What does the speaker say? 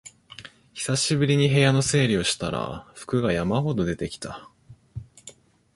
久しぶりに部屋の整理をしたら服が山ほど出てきた